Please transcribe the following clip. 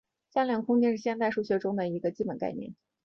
向量空间是现代数学中的一个基本概念。